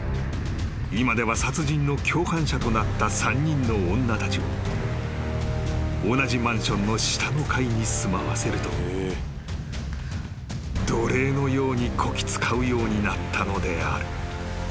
今では殺人の共犯者となった３人の女たちを同じマンションの下の階に住まわせると奴隷のようにこき使うようになったのである］